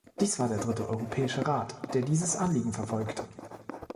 Dies war der dritte Europäische Rat, der dieses Anliegen verfolgte.